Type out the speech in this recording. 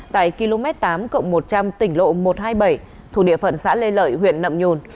tại km tám một trăm linh tỉnh lộ một trăm hai mươi bảy thuộc địa phận xã lê lợi huyện nậm nhùn